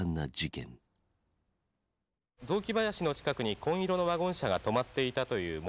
雑木林の近くに紺色のワゴン車が止まっていたという目撃情報。